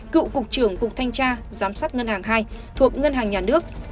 cựu cục trưởng cục thanh tra giám sát ngân hàng hai thuộc ngân hàng nhà nước